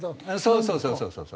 そうそうそうそう。